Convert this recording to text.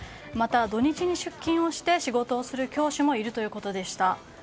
また土日に出勤をして仕事をする教師もいるということでした。